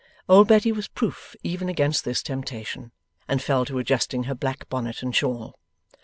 Old Betty was proof even against this temptation, and fell to adjusting her black bonnet and shawl.